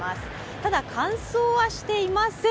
ただ、乾燥はしていません。